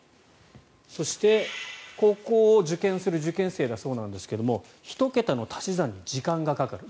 そして、高校を受験する受験生だそうですが１桁の足し算に時間がかかる。